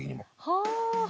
はあ。